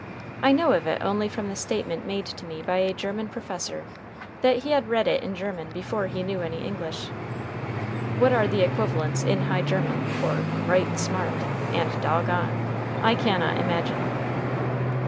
I know of it only from the statement made to me by a German professor, that he had read it in German before he knew any English. What are the equivalents in High German for "right smart" and "dog on" I cannot imagine.